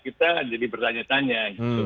kita jadi bertanya tanya